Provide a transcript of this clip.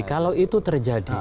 kalau itu terjadi